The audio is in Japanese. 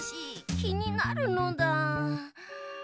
きになるのだ。